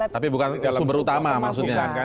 tapi bukan sumber utama maksudnya